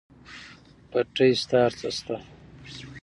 پټی شته هر څه شته.